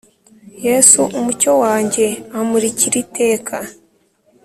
Yesu umucyo wanjye amurikir’ iteka,